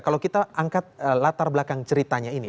kalau kita angkat latar belakang ceritanya ini